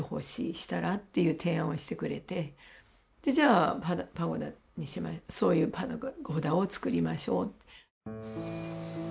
したら？っていう提案をしてくれてじゃあパゴダにしましょうそういうパゴダをつくりましょうって。